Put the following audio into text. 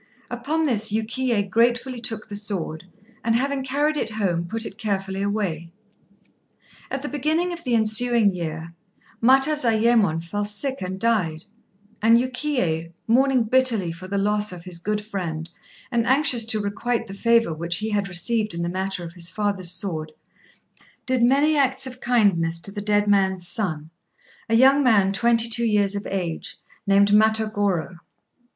Upon this Yukiyé gratefully took the sword, and having carried it home put it carefully away. At the beginning of the ensuing year Matazayémon fell sick and died, and Yukiyé, mourning bitterly for the loss of his good friend, and anxious to requite the favour which he had received in the matter of his father's sword, did many acts of kindness to the dead man's son a young man twenty two years of age, named Matagorô.